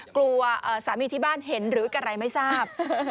กลัวสามีที่บ้านเห็นหรืออะไรไม่ทราบ